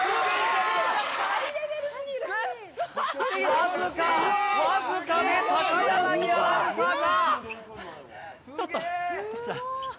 僅か、僅かで高柳アナウンサー！